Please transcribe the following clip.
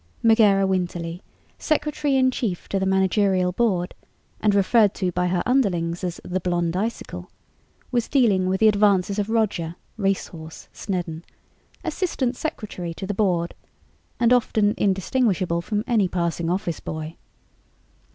Megera Winterly, Secretary in Chief to the Managerial Board and referred to by her underlings as the Blonde Icicle, was dealing with the advances of Roger ("Racehorse") Snedden, Assistant Secretary to the Board and often indistinguishable from any passing office boy.